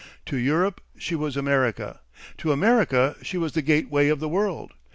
To Europe she was America, to America she was the gateway of the world.